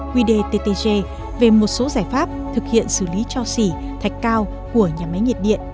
quy đề ttg về một số giải pháp thực hiện xử lý cho xỉ thạch cao của nhà máy nhiệt điện